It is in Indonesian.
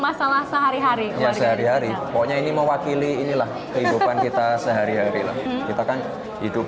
it hari hari k vagyari ponya ini mewakili inilah kehidupan kita sehari hari sampai hidup